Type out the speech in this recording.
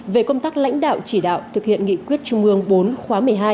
về công tác lãnh đạo chỉ đạo thực hiện nghị quyết trung ương bốn khóa một mươi hai